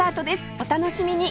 お楽しみに！